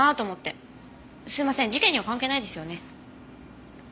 すいません事件には関係ないですよね。